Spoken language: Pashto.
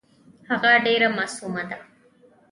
هغه ډېره معصومه ده .